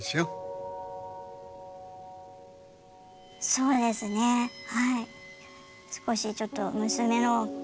そうですねはい。